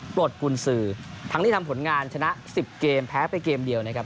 ปลดกุญสือทั้งที่ทำผลงานชนะ๑๐เกมแพ้ไปเกมเดียวนะครับ